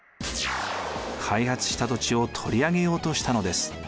開発した土地を取り上げようとしたのです。